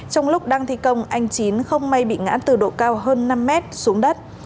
trong lúc đang thi công anh chín không may bị ngã từ độ cao hơn năm mét xuống đất